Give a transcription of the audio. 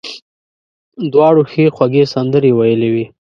دواړو ښې خوږې سندرې ویلې وې.